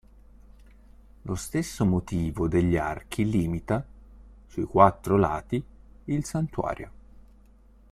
Lo stesso motivo degli archi limita, sui quattro lati, il Santuario.